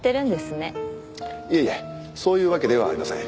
いえいえそういうわけではありません。